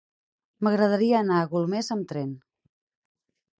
M'agradaria anar a Golmés amb tren.